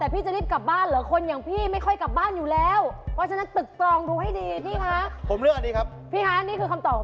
พี่คะนี่คือคำตอบของพี่แล้วใช่ไหม